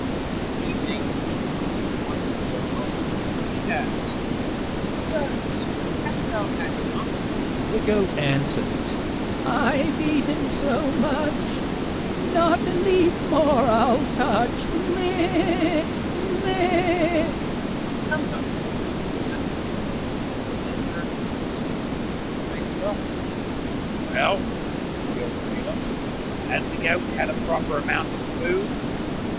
In the evening when he wanted to go home, he asked, "Goat, hast thou had enough?" The goat answered, "I have eaten so much, Not a leaf more I'll touch, meh! meh!" "Come home, then," said the youth, and led her into the stable, and tied her up. "Well," said the old tailor, "has the goat had a proper amount of food?"